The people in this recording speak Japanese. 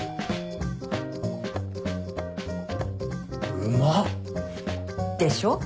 うまっ。でしょ？